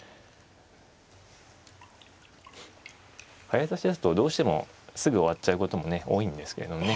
早指しですとどうしてもすぐ終わっちゃうこともね多いんですけどね。